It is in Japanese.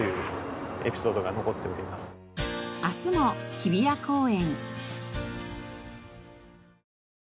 明日も日比谷公園。